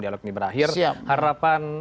dialog ini berakhir harapan